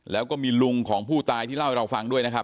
แล้วก็มีลุงของผู้ตายที่เล่าให้เราฟังด้วยนะครับ